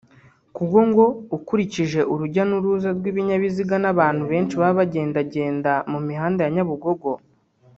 kuko ngo ukurikije urujya n’uruza rw’ibinyabiziga n’abantu benshi baba bagendagenda mu mihanda ya Nyabugogo